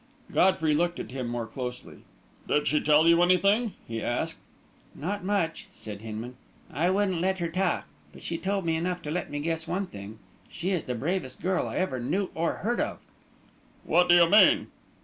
Godfrey looked at him more closely. "Did she tell you anything?" he asked. "Not much," said Hinman; "I wouldn't let her talk. But she told me enough to let me guess one thing she's the bravest girl I ever knew or heard of!" "What do you mean?"